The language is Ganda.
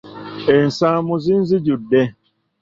Ensaamu zinzijjudde.